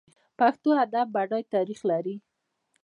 پښتو ادب بډای تاریخ لري.